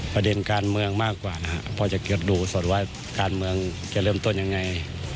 ประเด็นการเมืองมากกว่าพอจะเกิดดูส่วนว่าการเมืองจะเริ่มต้นอย่างไร